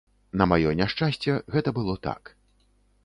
На маё няшчасце, гэта было так.